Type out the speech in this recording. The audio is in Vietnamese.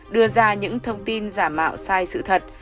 đưa ra những thông tin giả mạo sai sự thật